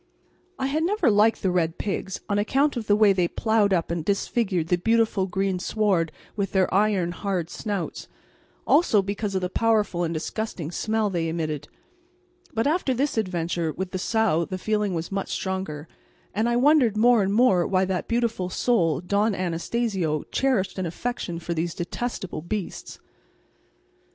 I had never liked the red pigs, on account of the way they ploughed up and disfigured the beautiful green sward with their iron hard snouts, also because of the powerful and disgusting smell they emitted, but after this adventure with the sow the feeling was much stronger, and I wondered more and more why that beautiful soul, Don Anastacio, cherished an affection for such detestable beasts.